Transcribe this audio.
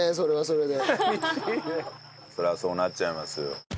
それはそうなっちゃいますよ。